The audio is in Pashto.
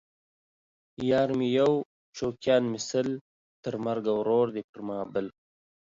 یار مې یو شوقیان مې سل ـ تر مرګه ورور دی پر ما بل